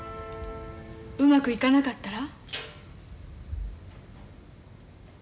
うまくいかなかったら？